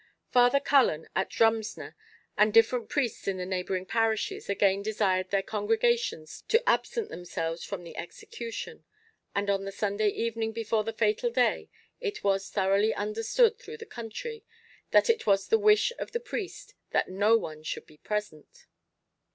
Father Cullen, at Drumsna, and different priests in the neighbouring parishes again desired their congregations to absent themselves from the execution, and on the Sunday evening before the fatal day it was thoroughly understood through the country, that it was the wish of the priest that no one should be present.